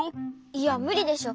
いやむりでしょ。